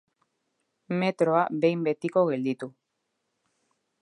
Metroa behin betiko gelditu.